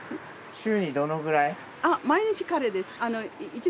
週にどのくらい？